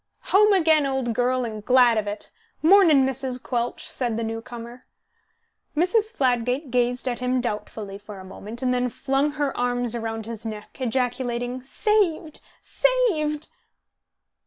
"Home again, old girl, and glad of it! Mornin', Mrs. Quelch," said the new comer. Mrs. Fladgate gazed at him doubtfully for a moment, and then flung her arms round his neck, ejaculating, "Saved, saved!"